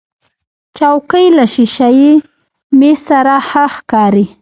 چوکۍ له شیشهيي میز سره ښه ښکاري.